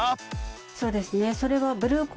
そうですね。